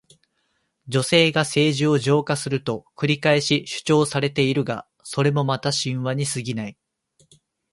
女性が政治を浄化すると繰り返し主張されているが、それもまた神話にすぎない。